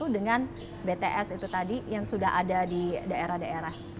dengan bts itu tadi yang sudah ada di daerah daerah